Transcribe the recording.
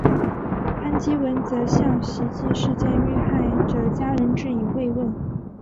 潘基文则向袭击事件遇害者家人致以慰问。